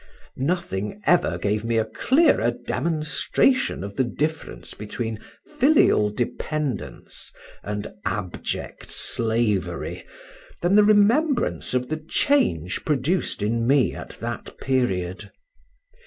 Nothing ever gave me a clearer demonstration of the difference between filial dependence and abject slavery, than the remembrance of the change produced in me at that period.